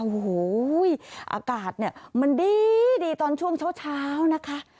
โอ้โหอากาศเนี่ยมันดีตอนช่วงเช้านะคะ